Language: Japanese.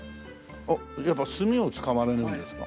やっぱり墨を使われるんですか？